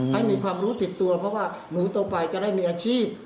ให้มีความรู้ติดตัวเพราะว่าหนูโตไปจะได้มีอาชีพ